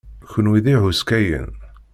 Kenwi d ihuskayen.